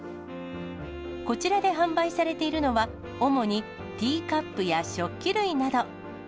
こちらで販売されているのは、主にティーカップや食器類など。